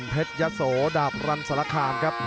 เพชรยะโสดาบรันสละคามครับ